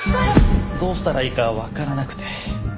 どうしたらいいかわからなくて。